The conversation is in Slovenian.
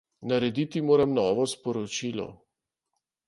Narediti moram novo sporočilo.